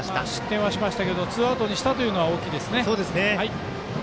失点はしましたがツーアウトにしたのは大きいです。